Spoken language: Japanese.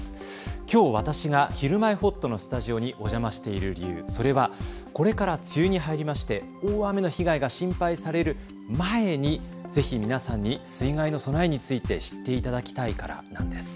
今日、私が「ひるまえほっと」のスタジオにお邪魔している理由、それはこれから梅雨に入りまして大雨の被害が心配される前にぜひ皆さんに水害の備えについて知っていただきたいからなんです。